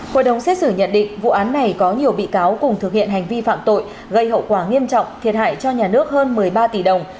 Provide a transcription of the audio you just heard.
hội đồng xét xử nhận định vụ án này có nhiều bị cáo cùng thực hiện hành vi phạm tội gây hậu quả nghiêm trọng thiệt hại cho nhà nước hơn một mươi ba tỷ đồng